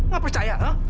gak percaya he